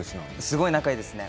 すごい仲よしですね。